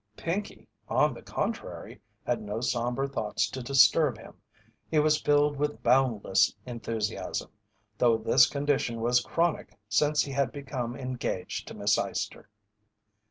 Pinkey, on the contrary, had no sombre thoughts to disturb him. He was filled with boundless enthusiasm; though this condition was chronic since he had become engaged to Miss Eyester.